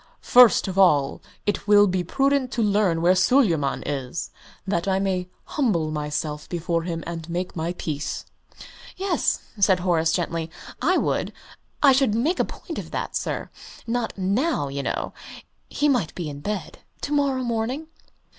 "First of all, it will be prudent to learn where Suleyman is, that I may humble myself before him and make my peace." "Yes," said Horace, gently, "I would. I should make a point of that, sir. Not now, you know. He might be in bed. To morrow morning."